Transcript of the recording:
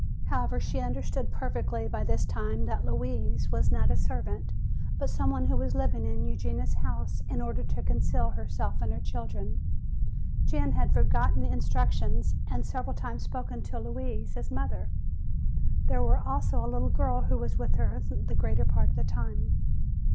However, she understood perfectly by this time that "Louise" was not a servant, but some one who was living in Eugenia's house in order to conceal herself and her children. Jan had forgotten instructions and several times spoken to "Louise" as mother. There was also a little girl who was with her the greater part of the time.